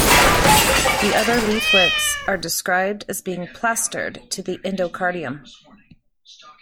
The other leaflets are described as being plastered to the endocardium.